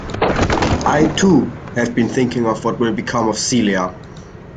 I, too, have been thinking of what will become of Celia.